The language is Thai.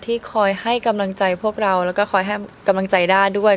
ที่คอยให้กำลังใจพวกเราแล้วก็คอยให้กำลังใจด้าด้วย